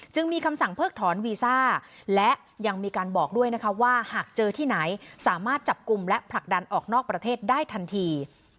จึงมีคำสั่งเพิกถอนวีซ่าและยังมีการบอกด้วยนะคะว่าหากเจอที่ไหนสามารถจับกลุ่มและผลักดันออกนอกประเทศได้ทันที